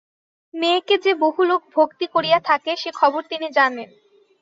মেয়েকে যে বহু লোক ভক্তি করিয়া থাকে সে খবর তিনি জানেন।